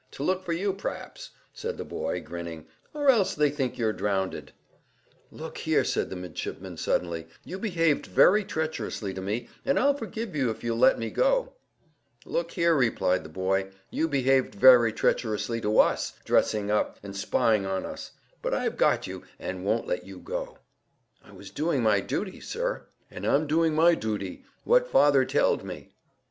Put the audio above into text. To look for you, pr'aps," said the boy grinning, "or else they think you're drownded." "Look here," said the midshipman suddenly, "you behaved very treacherously to me, but I'll forgive you if you'll let me go." "Look here," replied the boy, "you behaved very treacherously to us, dressing up, and spying on us; but I've got you, and won't let you go." "I was doing my duty, sir." "And I'm doing my dooty what father telled me."